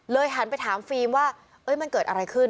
หันไปถามฟิล์มว่ามันเกิดอะไรขึ้น